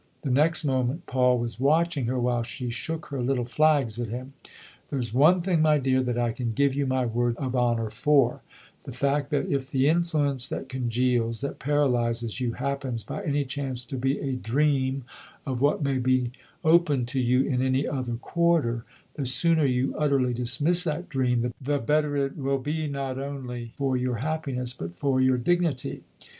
The next moment Paul was watching her while she shook her little flags at him. " There's one thing, my dear, that I can give you my word of honour for the fact that if the influence that congeals, that paralyses you, happens by any chance to be a dream of what may be open to you in any other quarter, the sooner you utterly dismiss that dream the better it will be not only for your happiness, but for your dignity.